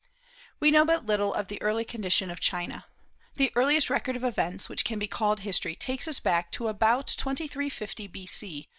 We know but little of the early condition of China. The earliest record of events which can be called history takes us back to about 2350 B.C.